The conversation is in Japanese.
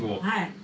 はい。